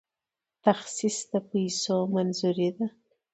تخصیص د پیسو منظوري ده